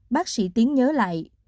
bác sĩ tiến nhớ lại